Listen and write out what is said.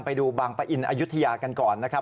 ไปดูบางปะอินอายุทยากันก่อนนะครับ